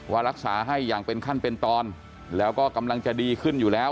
ว่ารักษาให้อย่างเป็นขั้นเป็นตอนแล้วก็กำลังจะดีขึ้นอยู่แล้ว